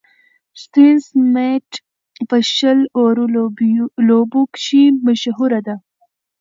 ستيون سميټ په شل اورو لوبو کښي مشهوره ده.